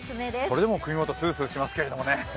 それでも首元スースーしますけどね。